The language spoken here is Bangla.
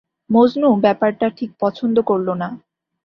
মজনু ব্যাপারটা ঠিক পছন্দ করল না।